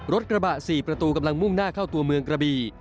รถกระบะ๔ประตูกำลังมุ่งหน้าเข้าตัวเมืองกระบี